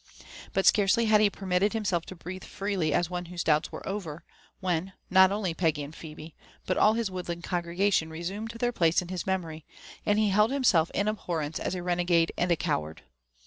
But scarcely had he permitted himself to breathe freely as one whose doubts were over, when, not only Peggy and Phebe« but all his woodland congregation resumed their place in his memory, and he held himself in abhorrence as a renegade and a coward.